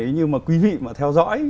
như mà quý vị mà theo dõi